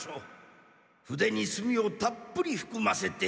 筆にすみをたっぷりふくませて。